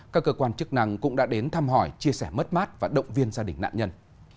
các cơ quan chức năng cũng đã đến thăm hỏi chia sẻ mất mát và động viên gia đình nạn nhân